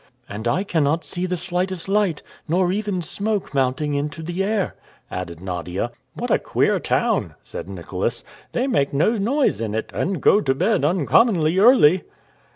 "And I cannot see the slightest light, nor even smoke mounting into the air," added Nadia. "What a queer town!" said Nicholas. "They make no noise in it, and go to bed uncommonly early!"